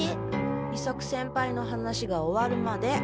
伊作先輩の話が終わるまで。